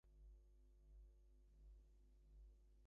The character of this office is one of thanksgiving.